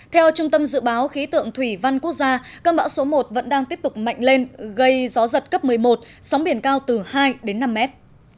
theo trung tâm dự báo khí tượng thủy văn quốc gia cơn bão số một vẫn đang tiếp tục mạnh lên gây gió giật cấp một mươi một sóng biển cao từ hai đến năm mét